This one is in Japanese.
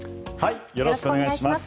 よろしくお願いします。